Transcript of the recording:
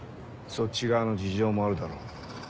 そっち側の事情もあるだろう。